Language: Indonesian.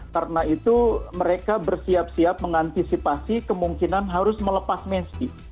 karena itu mereka bersiap siap mengantisipasi kemungkinan harus melepas messi